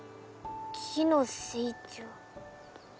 木の成長。